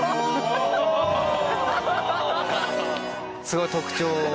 ・すごい特徴を。